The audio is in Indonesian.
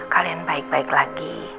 kalian baik baik lagi